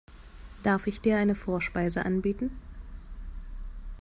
Darf ich dir eine Vorspeise anbieten?